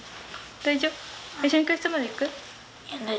大丈夫？